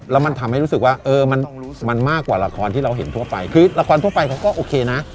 แล้วมันทำให้รู้สึกว่าเออมันมันมากกว่าละครที่เราเห็นทั่วไปคือละครทั่วไปเขาก็โอเคนะ